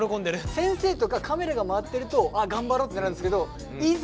先生とかカメラが回ってると頑張ろうってなるんですけどいざ